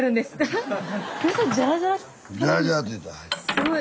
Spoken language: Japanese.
すごい。